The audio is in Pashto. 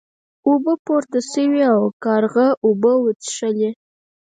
اوبه پورته شوې او کارغه اوبه وڅښلې.